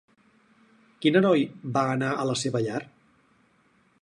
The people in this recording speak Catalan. Quin heroi va anar a la seva llar?